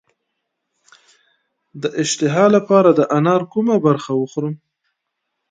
د اشتها لپاره د انار کومه برخه وخورم؟